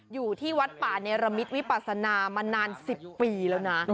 อยู่ที่วัดป่าเนรมิตวิปัสนามานาน๑๐ปีแล้วนะ